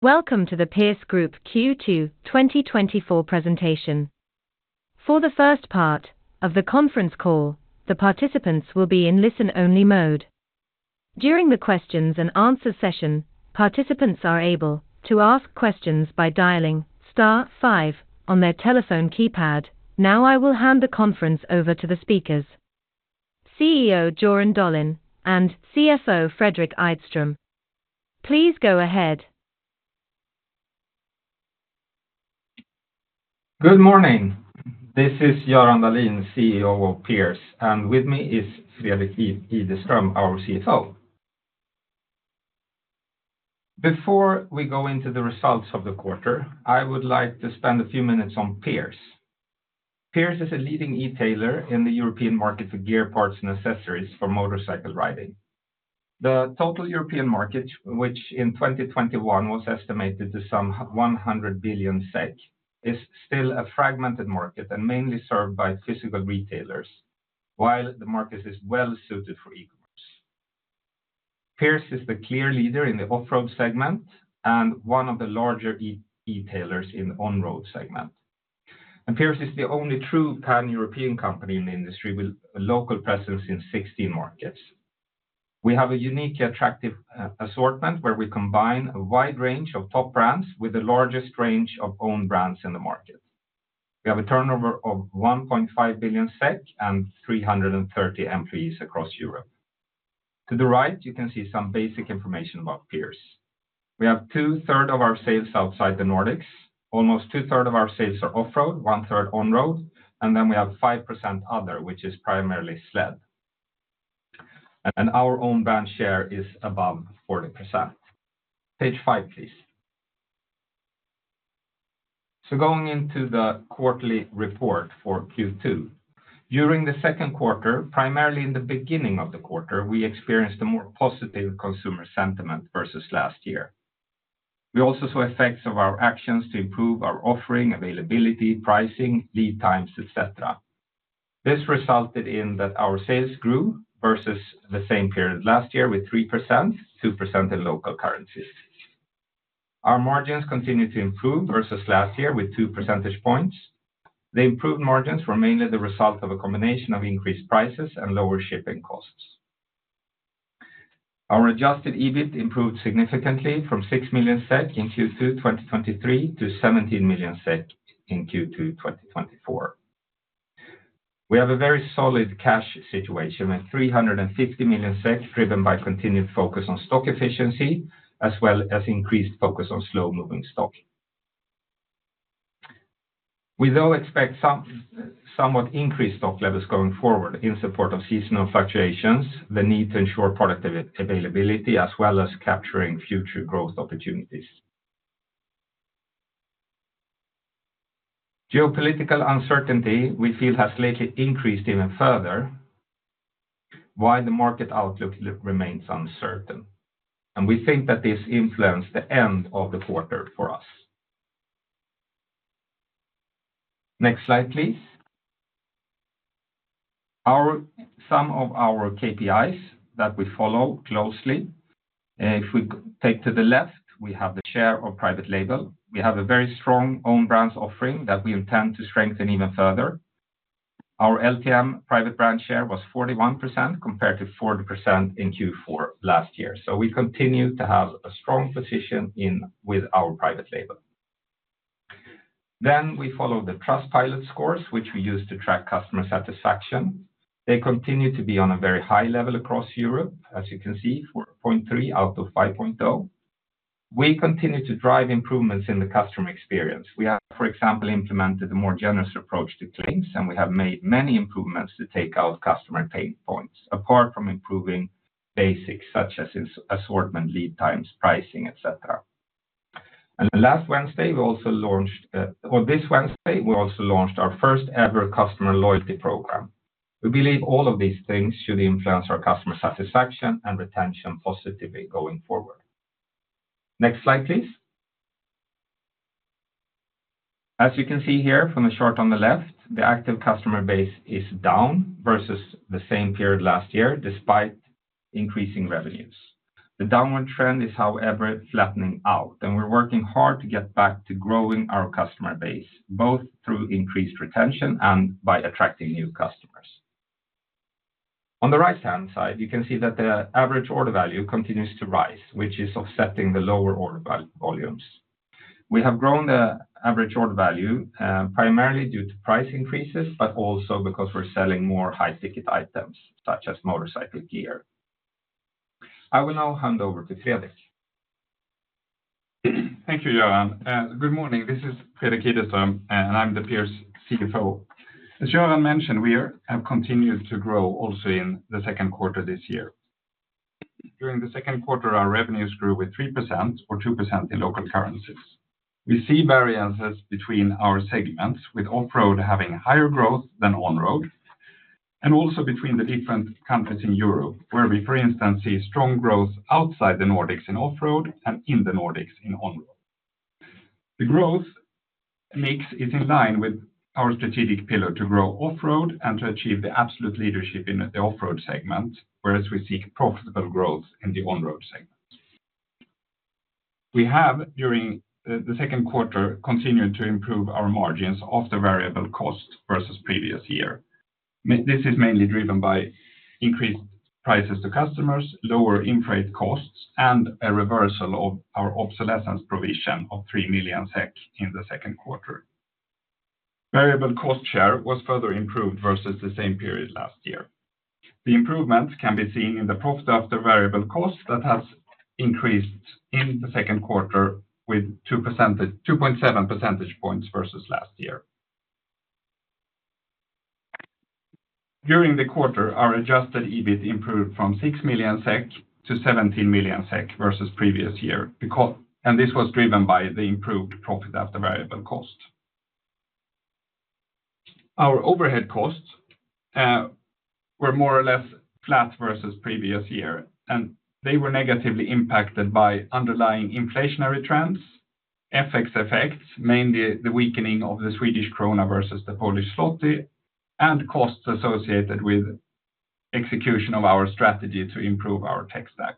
Welcome to the Pierce Group Q2 2024 presentation. For the first part of the conference call, the participants will be in listen-only mode. During the questions and answer session, participants are able to ask questions by dialing star five on their telephone keypad. Now I will hand the conference over to the speakers, CEO Göran Dahlin, and CFO Fredrik Ideström. Please go ahead. Good morning. This is Göran Dahlin, CEO of Pierce Group, and with me is Fredrik Ideström, our CFO. Before we go into the results of the quarter, I would like to spend a few minutes on Pierce Group. Pierce Group is a leading e-tailer in the European market for gear, parts, and accessories for motorcycle riding. The total European market, which in 2021 was estimated to some 100 billion SEK, is still a fragmented market and mainly served by physical retailers, while the market is well suited for e-commerce. Pierce Group is the clear leader in the off-road segment and one of the larger e-tailers in the on-road segment, and Pierce Group is the only true Pan-European company in the industry, with a local presence in 16 markets. We have a unique, attractive, assortment, where we combine a wide range of top brands with the largest range of own brands in the market. We have a turnover of 1.5 billion SEK and 330 employees across Europe. To the right, you can see some basic information about Pierce Group. We have 2/3 of our sales outside the Nordics. Almost two-thirds of our sales are off-road, one-third on-road, and then we have 5% other, which is primarily sled. Our own brand share is above 40%. Page five, please. Going into the quarterly report for Q2. During the second quarter, primarily in the beginning of the quarter, we experienced a more positive consumer sentiment versus last year. We also saw effects of our actions to improve our offering, availability, pricing, lead times, et cetera. This resulted in that our sales grew versus the same period last year with 3%, 2% in local currencies. Our margins continued to improve versus last year with two percentage points. The improved margins were mainly the result of a combination of increased prices and lower shipping costs. Our Adjusted EBIT improved significantly from 6 million SEK in Q2 2023 to 17 million SEK in Q2 2024. We have a very solid cash situation, with 350 million SEK, driven by continued focus on stock efficiency, as well as increased focus on slow-moving stock. We though expect some, somewhat increased stock levels going forward in support of seasonal fluctuations, the need to ensure product availability, as well as capturing future growth opportunities. Geopolitical uncertainty, we feel, has lately increased even further, while the market outlook remains uncertain, and we think that this influenced the end of the quarter for us. Next slide, please. Some of our KPIs that we follow closely, if we take to the left, we have the share of private label. We have a very strong own brands offering that we intend to strengthen even further. Our LTM private brand share was 41%, compared to 40% in Q4 last year. So we continue to have a strong position in with our private label. Then we follow the Trustpilot scores, which we use to track customer satisfaction. They continue to be on a very high level across Europe, as you can see, 4.3 out of 5.0. We continue to drive improvements in the customer experience. We have, for example, implemented a more generous approach to claims, and we have made many improvements to take out customer pain points, apart from improving basics such as assortment, lead times, pricing, et cetera, and last Wednesday, we also launched, or this Wednesday, we also launched our first-ever customer loyalty program. We believe all of these things should influence our customer satisfaction and retention positively going forward. Next slide, please. As you can see here from the chart on the left, the active customer base is down versus the same period last year, despite increasing revenues. The downward trend is, however, flattening out, and we're working hard to get back to growing our customer base, both through increased retention and by attracting new customers. On the right-hand side, you can see that the average order value continues to rise, which is offsetting the lower order volumes. We have grown the average order value, primarily due to price increases, but also because we're selling more high-ticket items, such as motorcycle gear. I will now hand over to Fredrik. Thank you, Göran. Good morning. This is Fredrik Ideström, and I'm the Pierce Group CFO. As Göran mentioned, we have continued to grow also in the second quarter this year. During the second quarter, our revenues grew with 3% or 2% in local currencies. We see variances between our segments, with off-road having higher growth than on-road, and also between the different countries in Europe, where we, for instance, see strong growth outside the Nordics in off-road and in the Nordics in on-road. The growth mix is in line with our strategic pillar to grow off-road and to achieve the absolute leadership in the off-road segment, whereas we seek profitable growth in the on-road segment. We have, during the second quarter, continued to improve our margins of the variable cost versus previous year. This is mainly driven by increased prices to customers, lower input costs, and a reversal of our obsolescence provision of 3 million SEK in the second quarter. Variable cost share was further improved versus the same period last year. The improvement can be seen in the profit after variable cost, that has increased in the second quarter with two point seven percentage points versus last year. During the quarter, our adjusted EBIT improved from 6 million-17 million SEK versus previous year, because and this was driven by the improved profit after variable cost. Our overhead costs were more or less flat versus previous year, and they were negatively impacted by underlying inflationary trends, FX effects, mainly the weakening of the Swedish krona versus the Polish zloty, and costs associated with execution of our strategy to improve our tech stack.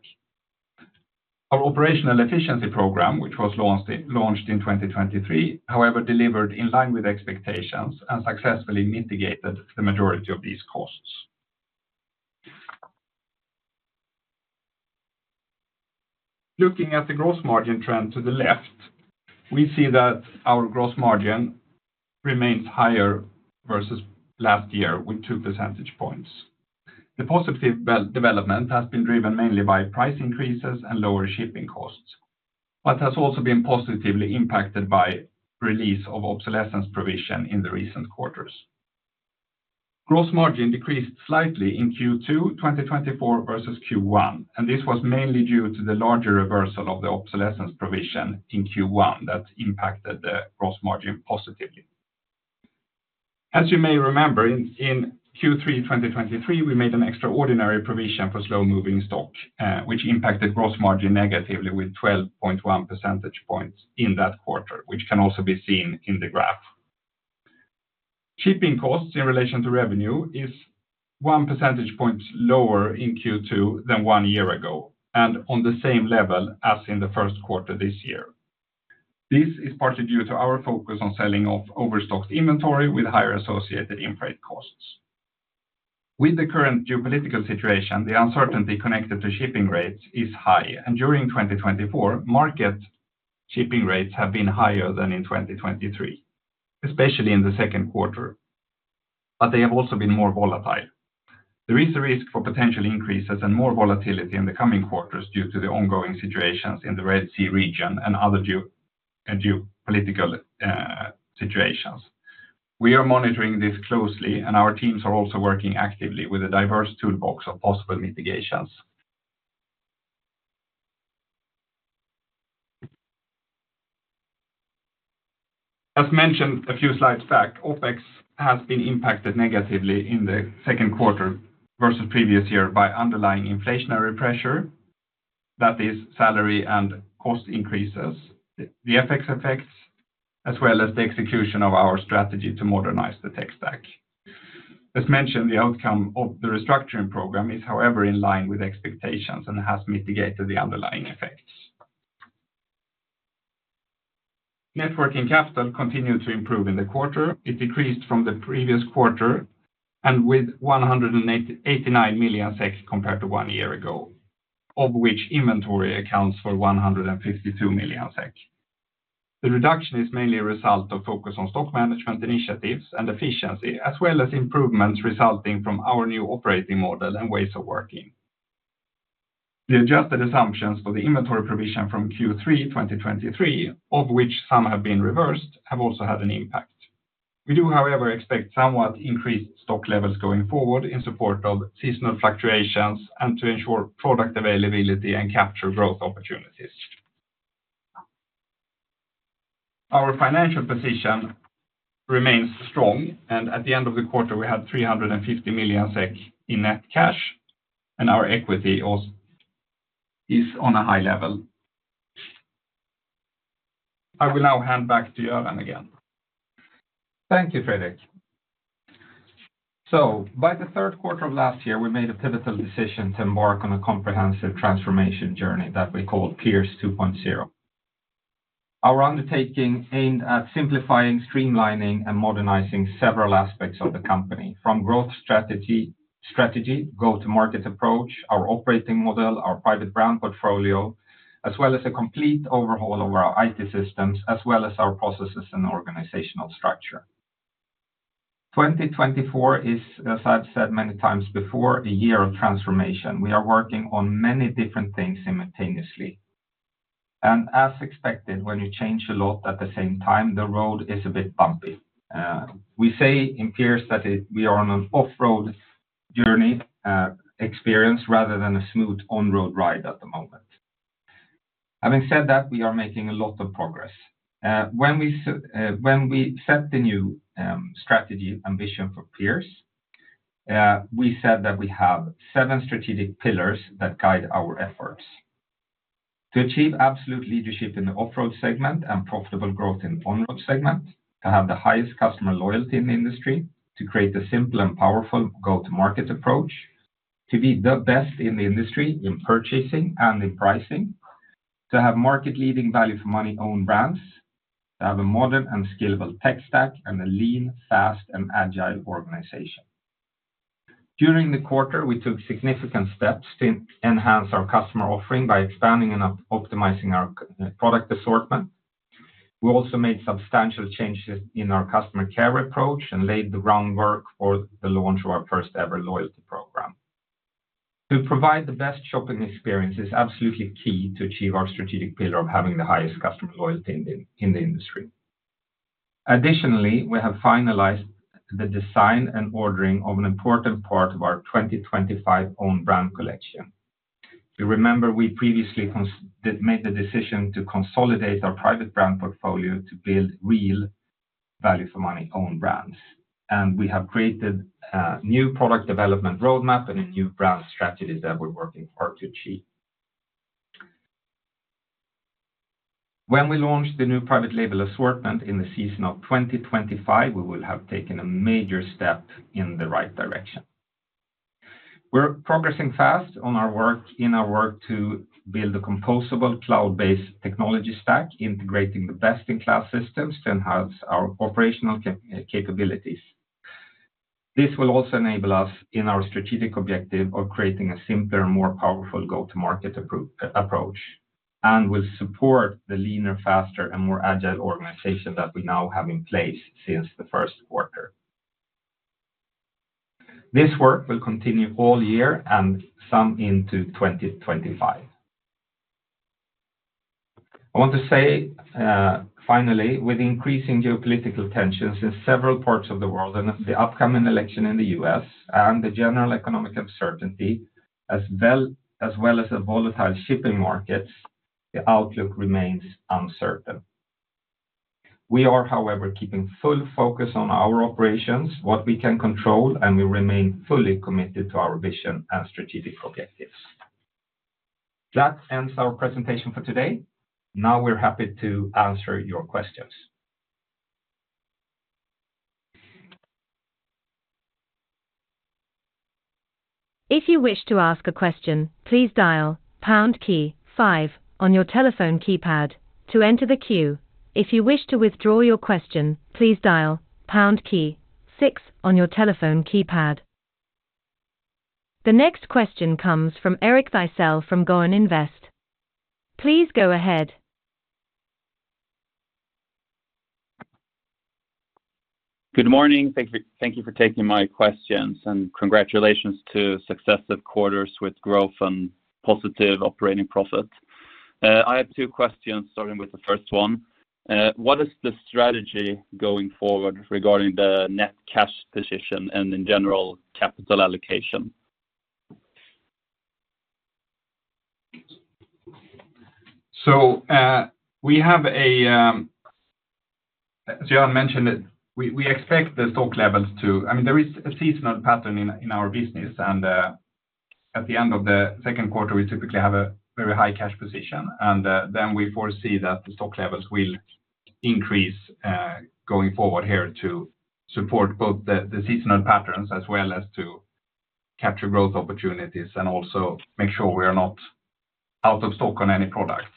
Our operational efficiency program, which was launched in 2023, however, delivered in line with expectations and successfully mitigated the majority of these costs. Looking at the gross margin trend to the left, we see that our gross margin remains higher versus last year with two percentage points. The positive, well, development has been driven mainly by price increases and lower shipping costs, but has also been positively impacted by release of obsolescence provision in the recent quarters. Gross margin decreased slightly in Q2, 2024 versus Q1, and this was mainly due to the larger reversal of the obsolescence provision in Q1 that impacted the gross margin positively. As you may remember, in Q3, 2023, we made an extraordinary provision for slow-moving stock, which impacted gross margin negatively with 12.1 percentage points in that quarter, which can also be seen in the graph. Shipping costs in relation to revenue is one percentage point lower in Q2 than one year ago, and on the same level as in the first quarter this year. This is partly due to our focus on selling off overstocked inventory with higher associated inflated costs. With the current geopolitical situation, the uncertainty connected to shipping rates is high, and during 2024, market shipping rates have been higher than in 2023, especially in the second quarter, but they have also been more volatile. There is a risk for potential increases and more volatility in the coming quarters due to the ongoing situations in the Red Sea region and other geopolitical situations. We are monitoring this closely, and our teams are also working actively with a diverse toolbox of possible mitigations. As mentioned, a few slides back, OpEx has been impacted negatively in the second quarter versus previous year by underlying inflationary pressure. That is, salary and cost increases, the FX effects, as well as the execution of our strategy to modernize the tech stack. As mentioned, the outcome of the restructuring program is, however, in line with expectations and has mitigated the underlying effects. Net working capital continued to improve in the quarter. It decreased from the previous quarter, and with 189 million compared to one year ago, of which inventory accounts for 152 million. The reduction is mainly a result of focus on stock management initiatives and efficiency, as well as improvements resulting from our new operating model and ways of working. The adjusted assumptions for the inventory provision from Q3 2023, of which some have been reversed, have also had an impact. We do, however, expect somewhat increased stock levels going forward in support of seasonal fluctuations and to ensure product availability and capture growth opportunities. Our financial position remains strong, and at the end of the quarter, we had 350 million SEK in net cash, and our equity also is on a high level. I will now hand back to Göran again. Thank you, Fredrik. By the third quarter of last year, we made a pivotal decision to embark on a comprehensive transformation journey that we call Pierce 2.0. Our undertaking aimed at simplifying, streamlining, and modernizing several aspects of the company, from growth strategy, go-to-market approach, our operating model, our private brand portfolio, as well as a complete overhaul of our IT systems, as well as our processes and organizational structure. 2024 is, as I've said many times before, a year of transformation. We are working on many different things simultaneously, and as expected, when you change a lot at the same time, the road is a bit bumpy. We say in Pierce that we are on an off-road journey experience, rather than a smooth on-road ride at the moment. Having said that, we are making a lot of progress. When we set the new strategy ambition for Pierce, we said that we have seven strategic pillars that guide our efforts. To achieve absolute leadership in the off-road segment and profitable growth in on-road segment, to have the highest customer loyalty in the industry, to create a simple and powerful go-to-market approach, to be the best in the industry in purchasing and in pricing, to have market-leading value for money own brands, to have a modern and scalable tech stack, and a lean, fast, and agile organization. During the quarter, we took significant steps to enhance our customer offering by expanding and optimizing our product assortment. We also made substantial changes in our customer care approach and laid the groundwork for the launch of our first-ever loyalty program. To provide the best shopping experience is absolutely key to achieve our strategic pillar of having the highest customer loyalty in the industry. Additionally, we have finalized the design and ordering of an important part of our 2025 own brand collection. You remember we previously made the decision to consolidate our private brand portfolio to build real value for money own brands, and we have created a new product development roadmap and a new brand strategies that we're working hard to achieve. When we launch the new private label assortment in the season of 2025, we will have taken a major step in the right direction. We're progressing fast on our work to build a composable, cloud-based technology stack, integrating the best-in-class systems to enhance our operational capabilities. This will also enable us in our strategic objective of creating a simpler and more powerful go-to-market approach, and will support the leaner, faster, and more agile organization that we now have in place since the first quarter. This work will continue all year and some into 2025. I want to say finally, with increasing geopolitical tensions in several parts of the world and the upcoming election in the U.S., and the general economic uncertainty, as well, as well as the volatile shipping markets, the outlook remains uncertain. We are, however, keeping full focus on our operations, what we can control, and we remain fully committed to our vision and strategic objectives. That ends our presentation for today. Now, we're happy to answer your questions. If you wish to ask a question, please dial pound key five on your telephone keypad to enter the queue. If you wish to withdraw your question, please dial pound key six on your telephone keypad. The next question comes from Eric Thysell from Garn Invest. Please go ahead. Good morning. Thank you, thank you for taking my questions, and congratulations to successive quarters with growth and positive operating profits. I have two questions, starting with the first one. What is the strategy going forward regarding the net cash position and in general, capital allocation? As Göran mentioned, we expect the stock levels to. I mean, there is a seasonal pattern in our business, and at the end of the second quarter, we typically have a very high cash position, and then we foresee that the stock levels will increase going forward here to support both the seasonal patterns, as well as to capture growth opportunities, and also make sure we are not out of stock on any products.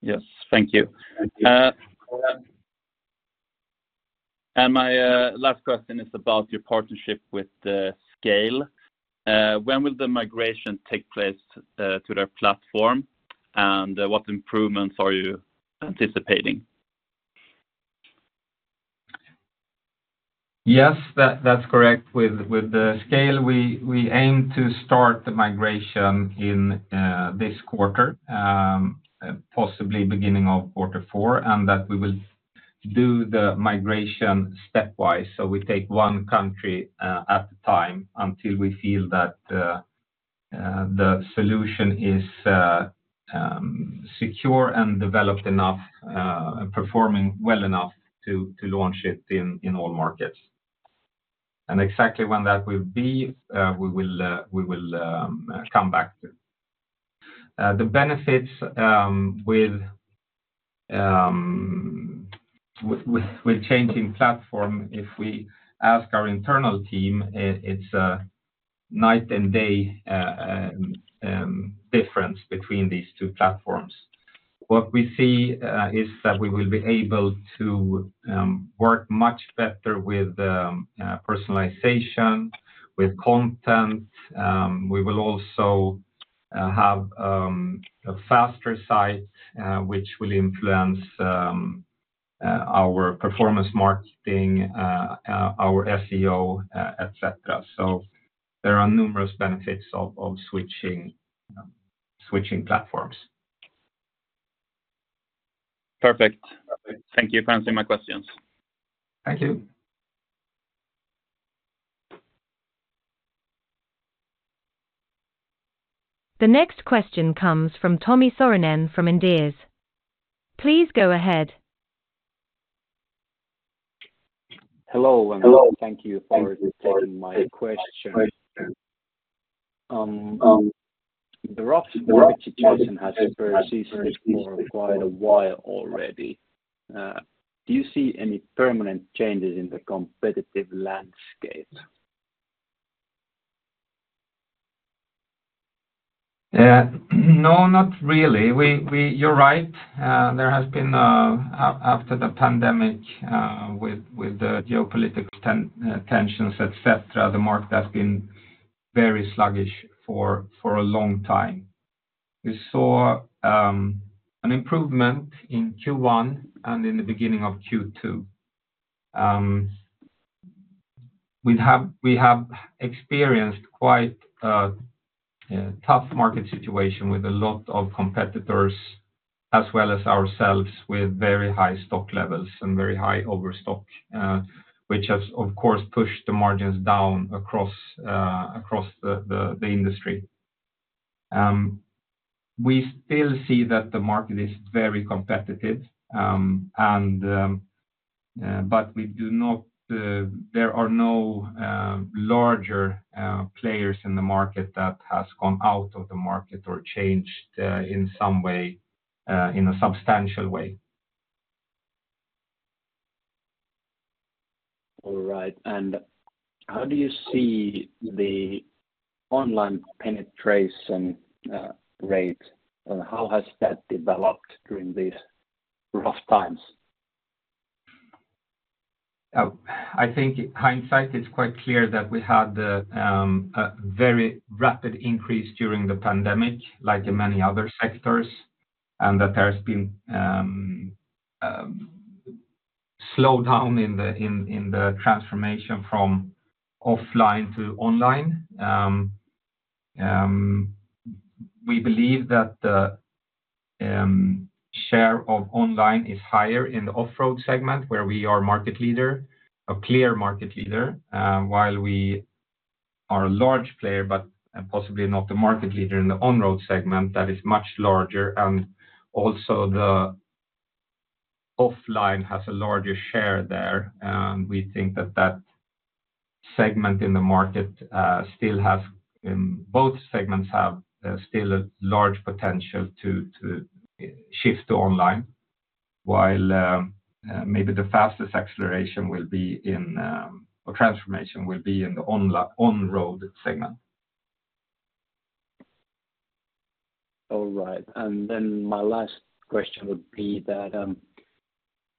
Yes. Thank you. Thank you. And my last question is about your partnership with SCAYLE. When will the migration take place to their platform? And what improvements are you anticipating? Yes, that, that's correct. With the SCAYLE, we aim to start the migration in this quarter, possibly beginning of quarter four, and that we will do the migration stepwise. So we take one country at a time until we feel that the solution is secure and developed enough and performing well enough to launch it in all markets. And exactly when that will be, we will come back to. The benefits with changing platform, if we ask our internal team, it's a night and day difference between these two platforms. What we see is that we will be able to work much better with personalization, with content. We will also have a faster site, which will influence our performance marketing, our SEO, et cetera, so there are numerous benefits of switching platforms. Perfect. Thank you for answering my questions. Thank you.... The next question comes from Timo Soininen from Inderes. Please go ahead. Hello, and thank you for taking my question. The rough market situation has persisted for quite a while already. Do you see any permanent changes in the competitive landscape? No, not really. You're right. There has been, after the pandemic, with the geopolitical tensions, et cetera, the market has been very sluggish for a long time. We saw an improvement in Q1 and in the beginning of Q2. We have experienced quite a tough market situation with a lot of competitors, as well as ourselves, with very high stock levels and very high overstock, which has, of course, pushed the margins down across the industry. We still see that the market is very competitive, and but we do not, there are no larger players in the market that has gone out of the market or changed in some way in a substantial way. All right. And how do you see the online penetration rate? How has that developed during these rough times? I think in hindsight, it's quite clear that we had a very rapid increase during the pandemic, like in many other sectors, and that there's been a slowdown in the transformation from offline to online. We believe that the share of online is higher in the off-road segment, where we are market leader, a clear market leader, while we are a large player, but possibly not the market leader in the on-road segment, that is much larger, and also the offline has a larger share there, and we think that that segment in the market still has, both segments have still a large potential to shift to online, while maybe the fastest acceleration will be in or transformation will be in the on-road segment. All right. And then my last question would be that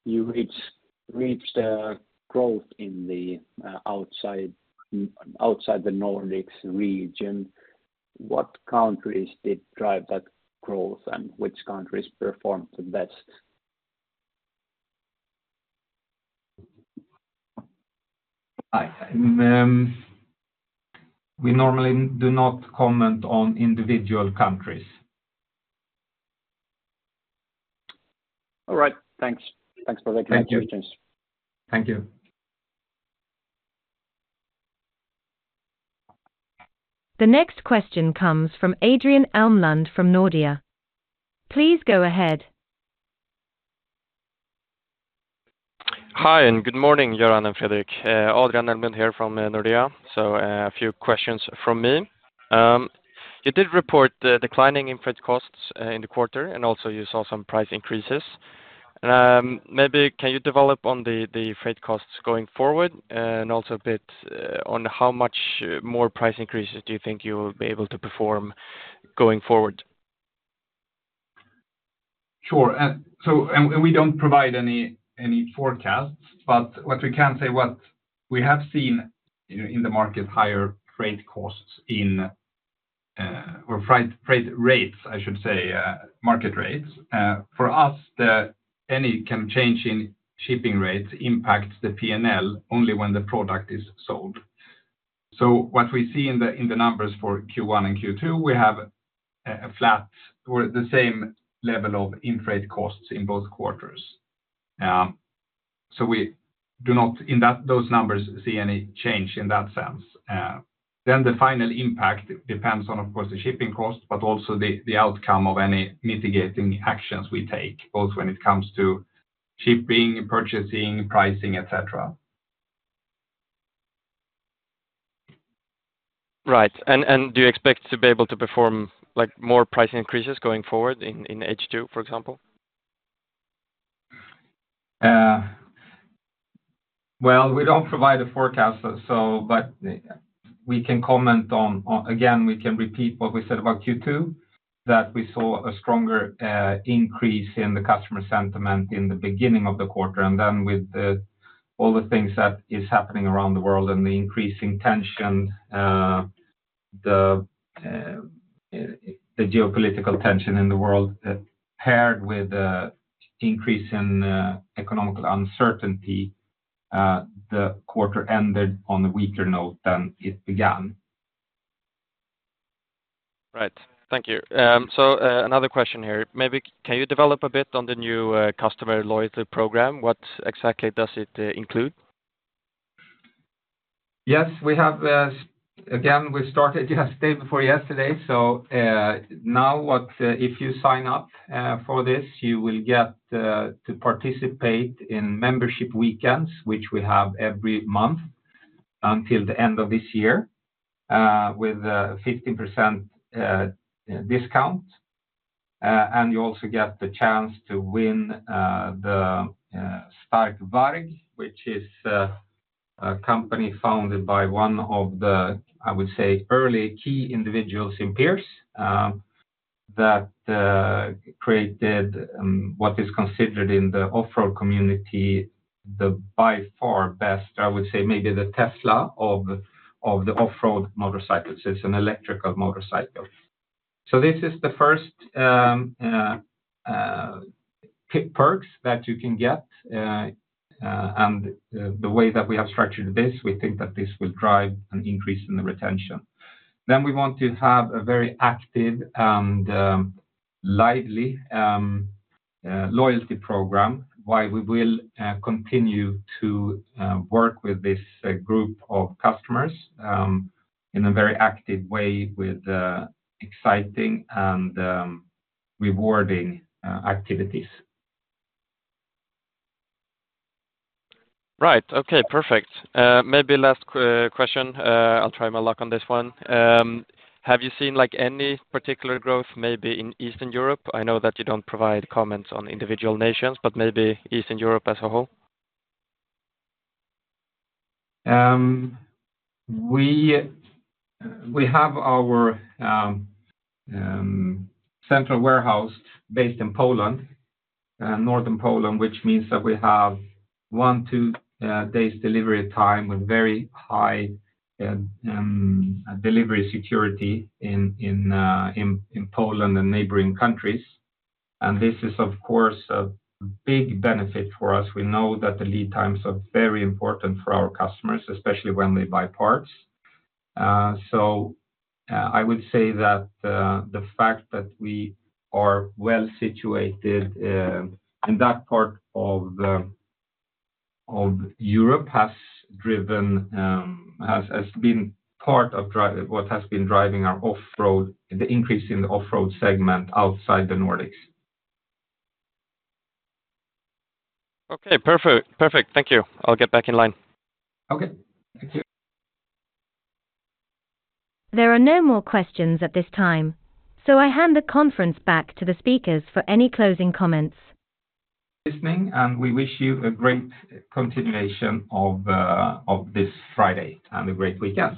you reach the growth in the outside the Nordics region. What countries did drive that growth, and which countries performed the best? We normally do not comment on individual countries. All right. Thanks. Thanks for the questions. Thank you. The next question comes from Adrian Elmlund, from Nordea. Please go ahead. Hi, and good morning, Göran and Fredrik. Adrian Elmlund here from Nordea. So, a few questions from me. You did report a decline in freight costs in the quarter, and also you saw some price increases. Maybe can you develop on the freight costs going forward, and also a bit on how much more price increases do you think you'll be able to perform going forward? Sure. We don't provide any forecasts, but what we can say, what we have seen in the market, higher freight costs, or freight rates, I should say, market rates. For us, any change in shipping rates impacts the P&L only when the product is sold. What we see in the numbers for Q1 and Q2, we have a flat or the same level of in-freight costs in both quarters. We do not, in those numbers, see any change in that sense. Then the final impact depends on, of course, the shipping cost, but also the outcome of any mitigating actions we take, both when it comes to shipping, purchasing, pricing, et cetera. Right, and do you expect to be able to perform, like, more price increases going forward in H2, for example? Well, we don't provide a forecast, so but we can comment on. Again, we can repeat what we said about Q2, that we saw a stronger increase in the customer sentiment in the beginning of the quarter, and then with all the things that is happening around the world and the increasing tension, the geopolitical tension in the world, paired with the increase in economical uncertainty, the quarter ended on a weaker note than it began. Right. Thank you. So, another question here: maybe can you develop a bit on the new customer loyalty program? What exactly does it include?... Yes, we have, again, we started yesterday before yesterday, so, now what, if you sign up, for this, you will get, to participate in membership weekends, which we have every month until the end of this year, with a 50% discount. And you also get the chance to win, the Stark VARG, which is, a company founded by one of the, I would say, early key individuals in Pierce, that, created, what is considered in the off-road community, the by far best, I would say, maybe the Tesla of the, of the off-road motorcycles. It's an electric motorcycle. So this is the first perks that you can get, and the way that we have structured this, we think that this will drive an increase in the retention. Then we want to have a very active and lively loyalty program, while we will continue to work with this group of customers in a very active way with exciting and rewarding activities. Right. Okay, perfect. Maybe last question, I'll try my luck on this one. Have you seen, like, any particular growth maybe in Eastern Europe? I know that you don't provide comments on individual nations, but maybe Eastern Europe as a whole. We have our central warehouse based in Poland, northern Poland, which means that we have one- to two-day delivery time with very high delivery security in Poland and neighboring countries. This is, of course, a big benefit for us. We know that the lead times are very important for our customers, especially when they buy parts. I would say that the fact that we are well-situated in that part of Europe has been part of what has been driving our off-road, the increase in the off-road segment outside the Nordics. Okay, perfect. Perfect. Thank you. I'll get back in line. Okay. Thank you. There are no more questions at this time, so I hand the conference back to the speakers for any closing comments. Listening, and we wish you a great continuation of this Friday and a great weekend.